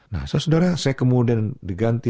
nah saudara saya kemudian diganti